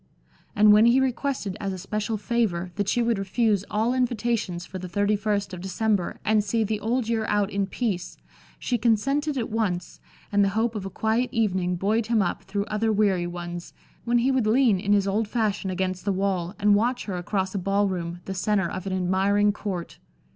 And when he requested as a special favor, that she would refuse all invitations for the thirty first of December and see the Old Year out in peace, she consented at once, and the hope of a quiet evening buoyed him up through other weary ones, when he would lean in his old fashion against the wall, and watch her across a ball room, the center of an admiring court.